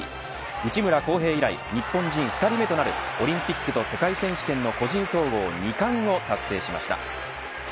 内村航平以来日本人２人目となるオリンピックと世界選手権の個人総合２冠を達成しました。